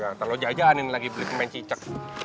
nanti lu jajanin lagi beli pemain cicak